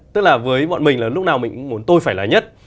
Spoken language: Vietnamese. tức là với bọn mình là lúc nào mình cũng muốn tôi phải là nhất